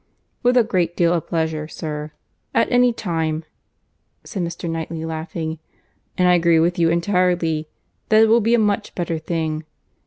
"With a great deal of pleasure, sir, at any time," said Mr. Knightley, laughing, "and I agree with you entirely, that it will be a much better thing.